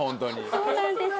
そうなんですよ。